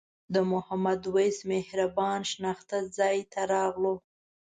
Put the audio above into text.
د محمد وېس مهربان شناخته ځای ته راغلو.